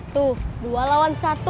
tuh dua lawan satu